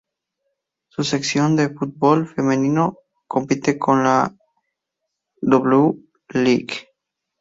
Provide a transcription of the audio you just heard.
Su sección de fútbol femenino compite en la W-League.